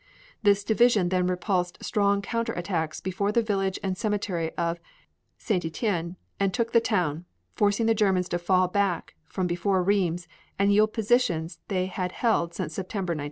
This division then repulsed strong counter attacks before the village and cemetery of Ste. Etienne and took the town, forcing the Germans to fall back from before Rheims and yield positions they had held since September, 1914.